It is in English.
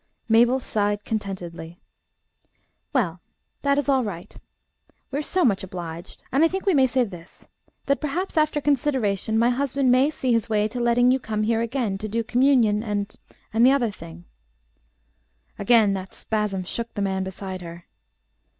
Mabel sighed contentedly. "Well, that is all right. We are so much obliged.... And I think we may say this, that perhaps after consideration my husband may see his way to letting you come here again to do Communion and and the other thing " Again that spasm shook the man beside her.